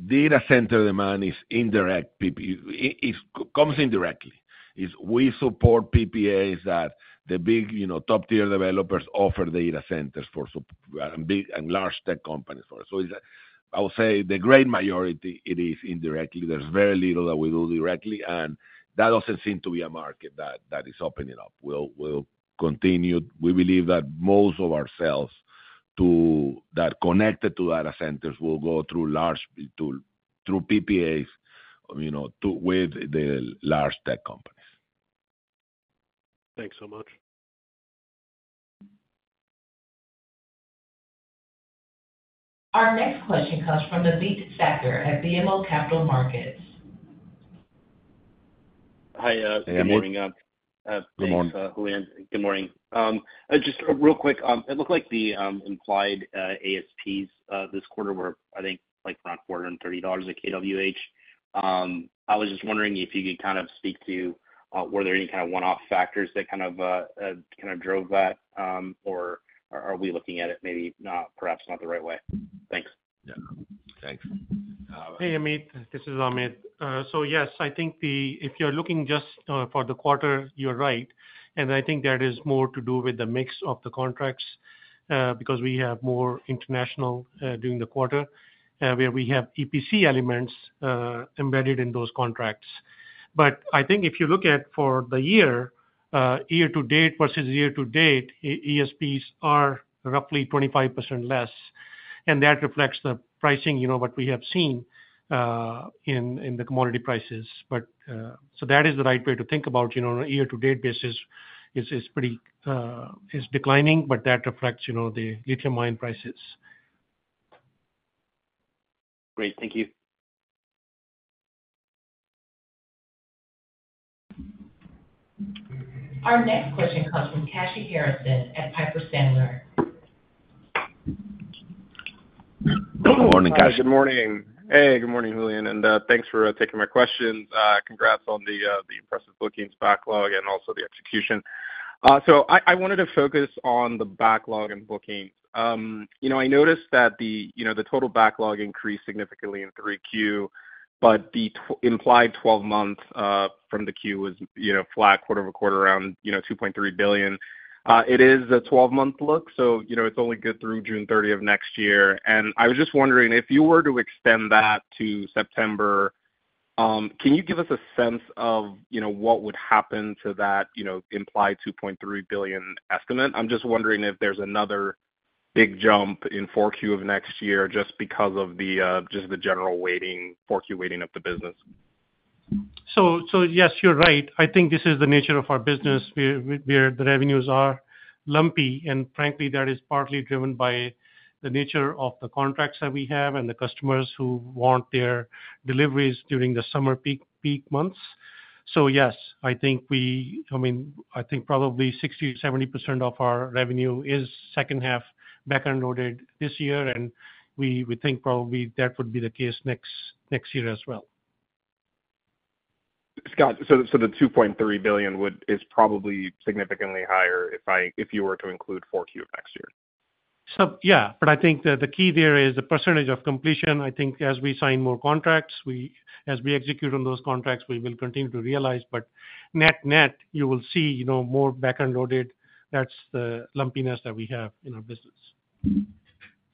data center demand is indirect PPAs – it comes indirectly. It's we support PPAs that the big, you know, top-tier developers offer data centers for so, big and large tech companies for us. So it's – I would say the great majority, it is indirectly. There's very little that we do directly, and that doesn't seem to be a market that is opening up. We'll continue. We believe that most of our sales to – that connected to data centers will go through large, through PPAs, you know, to, with the large tech companies. Thanks so much. Our next question comes from Ameet Thakkar at BMO Capital Markets. Hi, uh- Hey, Amit. Good morning. Thanks, Julian. Good morning. Good morning. Just real quick, it looked like the implied ASPs this quarter were, I think, like around $40-$30/kWh. I was just wondering if you could kind of speak to, were there any kind of one-off factors that kind of drove that? Or are we looking at it maybe not, perhaps not the right way? Thanks. Yeah. Thanks. Hey, Amit, this is Amit. So yes, I think the-- if you're looking just for the quarter, you're right. And I think that is more to do with the mix of the contracts, because we have more international during the quarter, where we have EPC elements embedded in those contracts. But I think if you look at for the year, year to date versus year to date, ESPs are roughly 25% less, and that reflects the pricing, you know, what we have seen in the commodity prices. But so that is the right way to think about, you know, on a year-to-date basis, is pretty, is declining, but that reflects, you know, the lithium ion prices. Great. Thank you. Our next question comes from Kashy Harrison at Piper Sandler. Good morning, Kashy. Hi, good morning. Hey, good morning, Julian, and thanks for taking my questions. Congrats on the impressive bookings backlog and also the execution. So I wanted to focus on the backlog and bookings. You know, I noticed that the you know, the total backlog increased significantly in 3Q, but the implied 12-month from the 3Q was flat quarter-over-quarter around $2.3 billion. It is a 12-month look, so you know, it's only good through June 30 of next year. And I was just wondering if you were to extend that to September, can you give us a sense of what would happen to that implied $2.3 billion estimate? I'm just wondering if there's another big jump in 4Q of next year just because of the just the general weighting, 4Q weighting of the business. Yes, you're right. I think this is the nature of our business, where the revenues are lumpy, and frankly, that is partly driven by the nature of the contracts that we have and the customers who want their deliveries during the summer peak months. Yes, I think we, I mean, I think probably 60%-70% of our revenue is second half backend loaded this year, and we think probably that would be the case next year as well. Got it. So the $2.3 billion is probably significantly higher if you were to include Q4 of next year? So, yeah, but I think the key there is the percentage of completion. I think as we sign more contracts, we—as we execute on those contracts, we will continue to realize. But net-net, you will see, you know, more backend loaded. That's the lumpiness that we have in our business.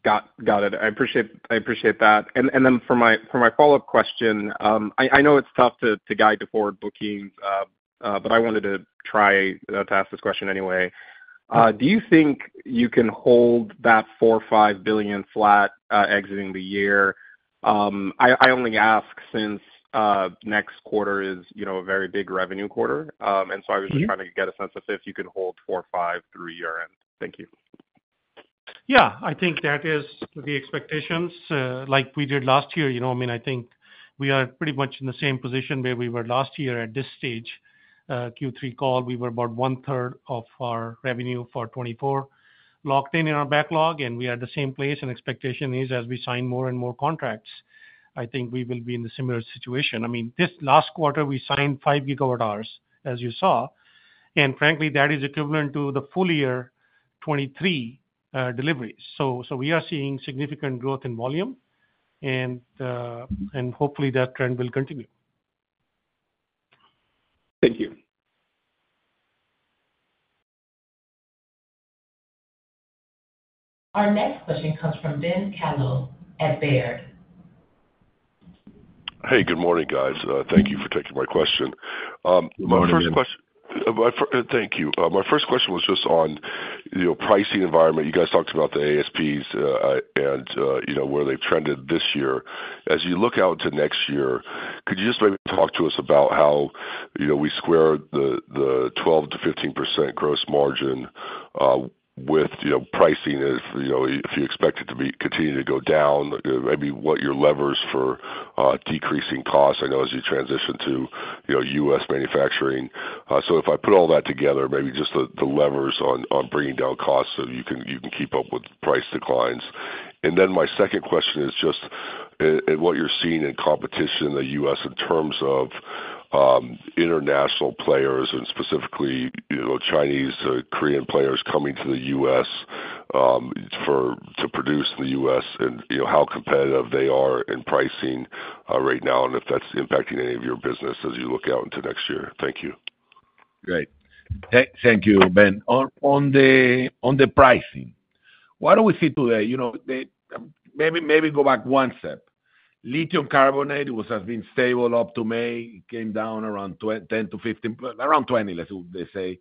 Got it. I appreciate that. Then for my follow-up question, I know it's tough to guide the forward bookings, but I wanted to try to ask this question anyway. Do you think you can hold that $4.5 billion flat exiting the year? I only ask since next quarter is, you know, a very big revenue quarter. And so I was just trying to get a sense of if you can hold $4.5 billion through year-end. Thank you. Yeah, I think that is the expectations, like we did last year. You know, I mean, I think we are pretty much in the same position where we were last year at this stage. Q3 call, we were about one third of our revenue for 2024 locked in, in our backlog, and we are at the same place, and expectation is as we sign more and more contracts, I think we will be in a similar situation. I mean, this last quarter, we signed 5 gigawatt hours, as you saw, and frankly, that is equivalent to the full year 2023, deliveries. So we are seeing significant growth in volume, and hopefully that trend will continue. Thank you. Our next question comes from Ben Kallo at Baird. Hey, good morning, guys. Thank you for taking my question. Good morning. Thank you. My first question was just on, you know, pricing environment. You guys talked about the ASPs, and, you know, where they've trended this year. As you look out to next year, could you just maybe talk to us about how, you know, we square the 12%-15% gross margin, with, you know, pricing as, you know, if you expect it to be continuing to go down, maybe what your levers for decreasing costs, I know, as you transition to, you know, U.S. manufacturing. So if I put all that together, maybe just the levers on bringing down costs, so you can keep up with price declines. And then my second question is just and what you're seeing in competition in the U.S. in terms of international players and specifically, you know, Chinese Korean players coming to the U.S. to produce in the U.S., and you know how competitive they are in pricing right now, and if that's impacting any of your business as you look out into next year? Thank you. Great. Thank you, Ben. On the pricing, what do we see today? You know, maybe go back one step. Lithium carbonate, which has been stable up to May, it came down around 10-15, around 20, let's say,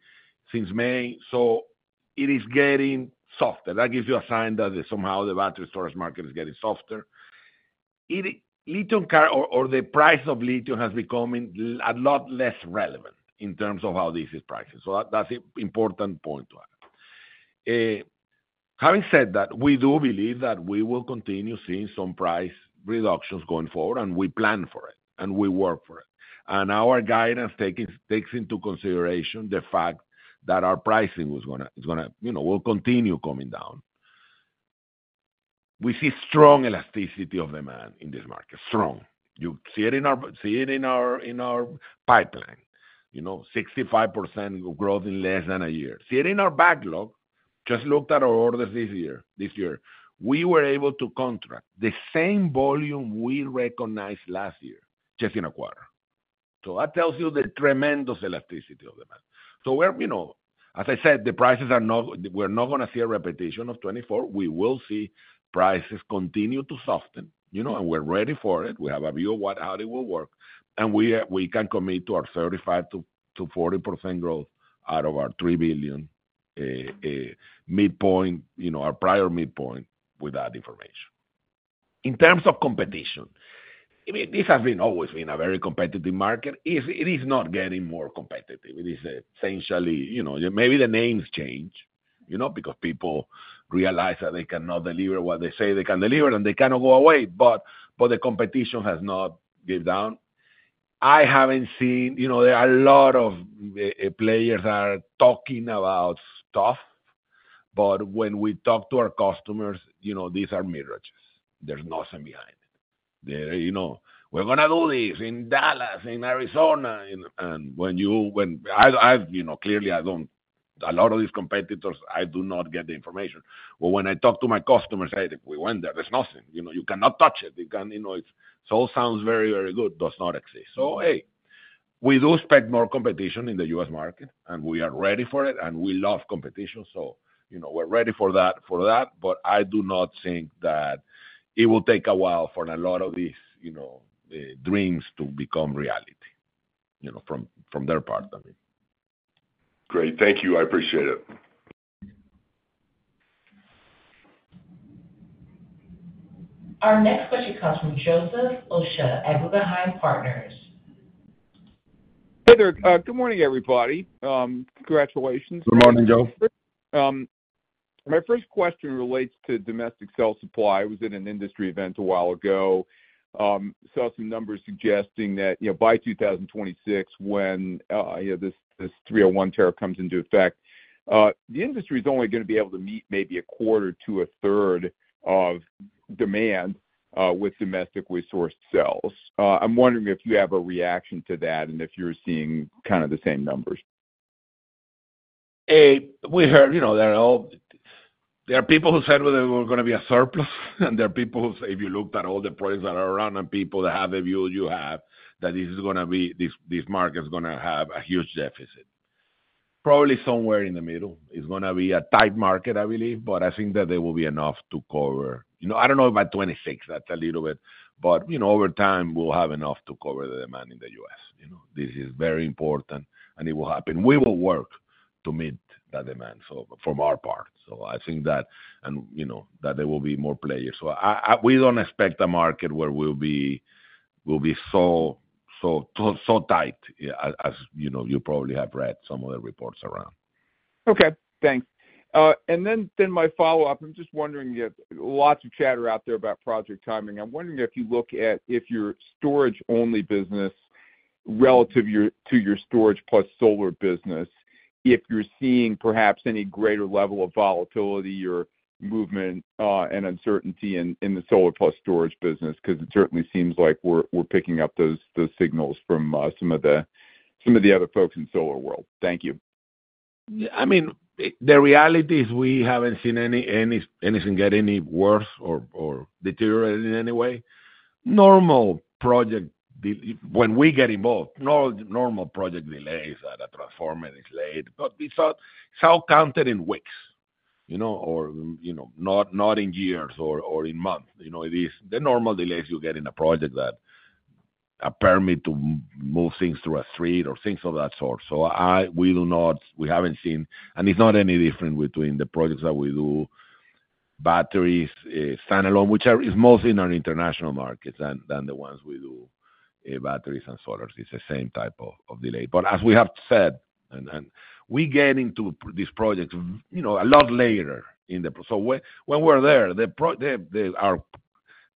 since May. So it is getting softer. That gives you a sign that somehow the battery storage market is getting softer. The price of lithium has become a lot less relevant in terms of how this is priced. So that's an important point to add. Having said that, we do believe that we will continue seeing some price reductions going forward, and we plan for it, and we work for it. And our guidance takes into consideration the fact that our pricing was gonna, is gonna, you know, will continue coming down. We see strong elasticity of demand in this market. Strong. You see it in our, see it in our, in our pipeline, you know, 65% growth in less than a year. See it in our backlog. Just looked at our orders this year, this year. We were able to contract the same volume we recognized last year, just in a quarter. So that tells you the tremendous elasticity of demand. So we're, you know, as I said, the prices are not, we're not gonna see a repetition of 2024. We will see prices continue to soften, you know, and we're ready for it. We have a view of what, how it will work, and we are- we can commit to our 35%-40% growth out of our $3 billion midpoint, you know, our prior midpoint with that information. In terms of competition, I mean, this has always been a very competitive market. It is not getting more competitive. It is essentially, you know, maybe the names change, you know, because people realize that they cannot deliver what they say they can deliver, and they cannot go away, but the competition has not died down. I haven't seen, you know, there are a lot of players talking about stuff, but when we talk to our customers, you know, these are mirages. There's nothing behind it. You know, "We're going do this in Dallas, in Arizona," and when you... I've, you know, clearly I don't, a lot of these competitors, I do not get the information. But when I talk to my customers, we went there, there's nothing. You know, you cannot touch it. You can, you know, it's all sounds very, very good [but] does not exist. So, hey, we do expect more competition in the U.S. market, and we are ready for it, and we love competition, so, you know, we're ready for that, for that. But I do not think that it will take a while for a lot of these, you know, dreams to become reality, you know, from, from their part, I mean. Great. Thank you. I appreciate it. Our next question comes from Joseph Osha at Guggenheim Partners. Hey there. Good morning, everybody. Congratulations. Good morning, Joe. My first question relates to domestic cell supply. I was at an industry event a while ago, saw some numbers suggesting that, you know, by 2026, when, you know, this, this 301 tariff comes into effect, the industry's only gonna be able to meet maybe a quarter to a third of demand, with domestic-resourced cells. I'm wondering if you have a reaction to that and if you're seeing kind of the same numbers. We heard, you know, there are people who said there were gonna be a surplus, and there are people who say, if you looked at all the projects that are around and people that have a view you have, that this is gonna be, this, this market is gonna have a huge deficit.... probably somewhere in the middle. It's gonna be a tight market, I believe, but I think that there will be enough to cover. You know, I don't know about 26, that's a little bit, but, you know, over time, we'll have enough to cover the demand in the U.S. You know, this is very important, and it will happen. We will work to meet that demand, so from our part. So I think that, and, you know, that there will be more players. So we don't expect a market where we'll be so tight as you know, you probably have read some of the reports around. Okay, thanks. And then my follow-up, I'm just wondering, lots of chatter out there about project timing. I'm wondering if you look at your storage-only business relative to your storage plus solar business, if you're seeing perhaps any greater level of volatility or movement and uncertainty in the solar plus storage business, 'cause it certainly seems like we're picking up those signals from some of the other folks in solar world. Thank you. I mean, the reality is we haven't seen any, anything get any worse or deteriorated in any way. Normal project de... When we get involved, normal project delays, the transformer is late, but these are still counted in weeks, you know, or, you know, not in years or in months. You know, it is the normal delays you get in a project that a permit to move things through a street or things of that sort. So we do not we haven't seen, and it's not any different between the projects that we do, batteries standalone, which are is mostly in our international markets than the ones we do, batteries and solars. It's the same type of delay. But as we have said, and we get into these projects, you know, a lot later in the... So when we're there, our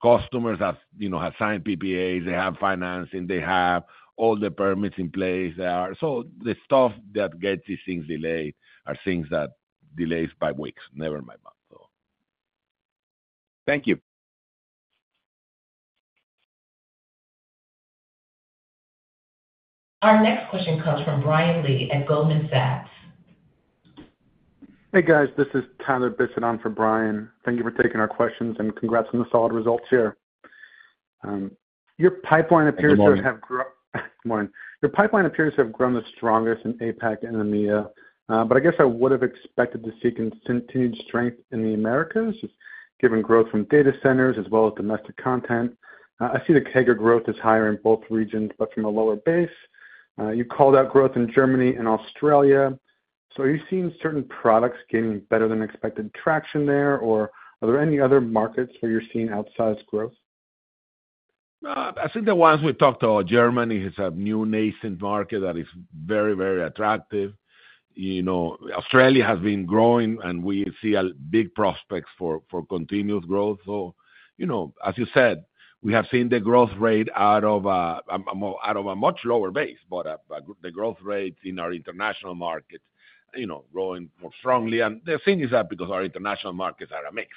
customers have, you know, have signed PPAs, they have financing, they have all the permits in place. They are. So the stuff that gets these things delayed are things that delays by weeks, never by month. So. Thank you. Our next question comes from Brian Lee at Goldman Sachs. Hey, guys. This is Tyler Baitson in for Brian. Thank you for taking our questions, and congrats on the solid results here. Your pipeline appears to have grown- Good morning. Good morning. Your pipeline appears to have grown the strongest in APAC and EMEA, but I guess I would have expected to see continued strength in the Americas, given growth from data centers as well as domestic content. I see the CAGR growth is higher in both regions, but from a lower base. You called out growth in Germany and Australia. So are you seeing certain products gaining better than expected traction there, or are there any other markets where you're seeing outsized growth? I think the ones we talked about, Germany, is a new nascent market that is very, very attractive. You know, Australia has been growing, and we see big prospects for continuous growth. So, you know, as you said, we have seen the growth rate out of a much lower base, but the growth rates in our international markets, you know, growing more strongly. And the thing is that because our international markets are a mix,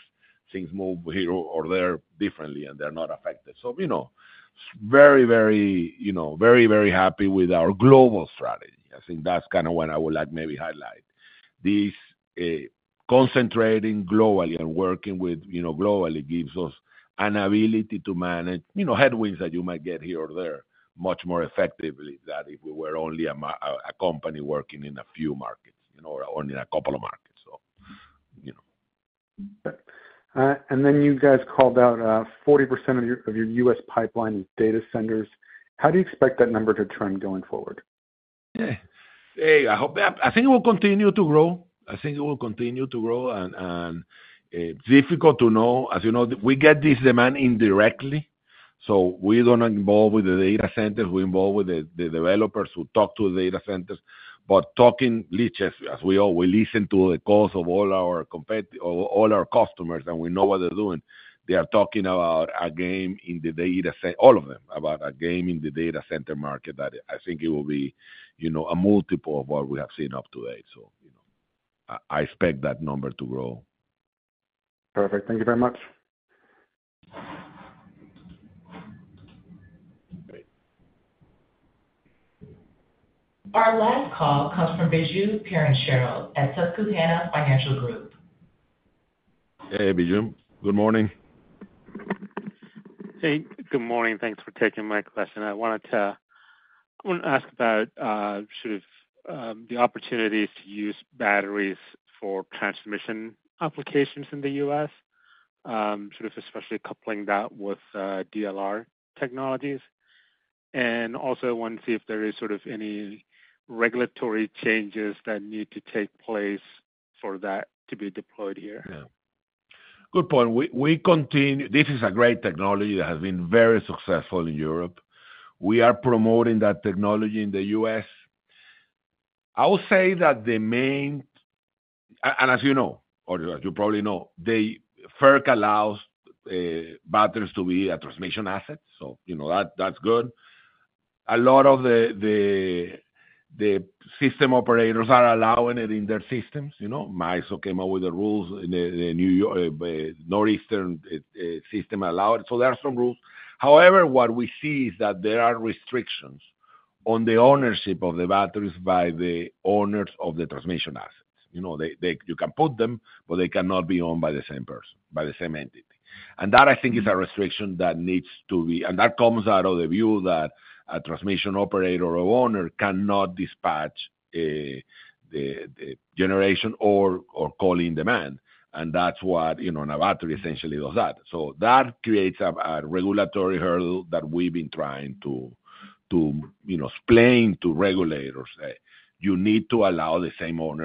things move here or there differently, and they're not affected. So, you know, very, very, you know, very, very happy with our global strategy. I think that's kind of what I would like maybe highlight. This, concentrating globally and working with, you know, globally gives us an ability to manage, you know, headwinds that you might get here or there much more effectively than if we were only a company working in a few markets, you know, or only a couple of markets. So, you know. And then you guys called out 40% of your US pipeline data centers. How do you expect that number to trend going forward? Yeah. Hey, I hope... I think it will continue to grow. I think it will continue to grow, and difficult to know. As you know, we get this demand indirectly, so we're not involved with the data centers. We're involved with the developers who talk to the data centers. But talking, Lee, as we all, we listen to the calls of all our customers, and we know what they're doing. They are talking about a game in the data center, all of them, about a game in the data center market that I think it will be, you know, a multiple of what we have seen up to date. So, you know, I expect that number to grow. Perfect. Thank you very much. Great. Our last call comes fromBiju Perincheril at Susquehanna Financial Group. Hey, Bijum. Good morning. Hey, good morning. Thanks for taking my question. I wanted to, I want to ask about, sort of, the opportunities to use batteries for transmission applications in the US, sort of especially coupling that with, DLR technologies. And also I want to see if there is sort of any regulatory changes that need to take place for that to be deployed here. Yeah. Good point. We continue. This is a great technology that has been very successful in Europe. We are promoting that technology in the US. I will say that the main and as you know, or you probably know, the FERC allows batteries to be a transmission asset, so you know, that's good. A lot of the system operators are allowing it in their systems. You know, MISO came out with the rules, and the New York north-eastern system allowed. So there are some rules. However, what we see is that there are restrictions on the ownership of the batteries by the owners of the transmission assets. You know, you can put them, but they cannot be owned by the same person, by the same entity. That, I think, is a restriction that needs to be, and that comes out of the view that a transmission operator or owner cannot dispatch the generation or call in demand, and that's what, you know, and a battery essentially does that. So that creates a regulatory hurdle that we've been trying to, you know, explain to regulators. You need to allow the same owner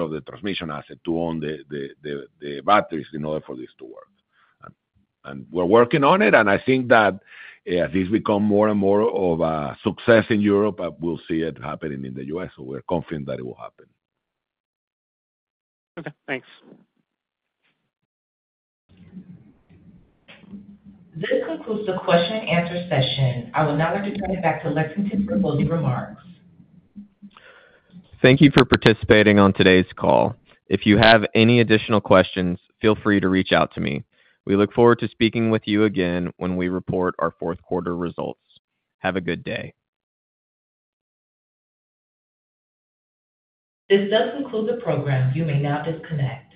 of the transmission asset to own the batteries in order for this to work. And we're working on it, and I think that as this become more and more of a success in Europe, we'll see it happening in the US, so we're confident that it will happen. Okay, thanks. This concludes the question and answer session. I will now return it back to Lexington for closing remarks. Thank you for participating on today's call. If you have any additional questions, feel free to reach out to me. We look forward to speaking with you again when we report our fourth quarter results. Have a good day. This does conclude the program. You may now disconnect.